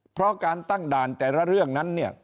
เพราะการตั้งด่านแต่ละเรื่องนั้นเนี่ย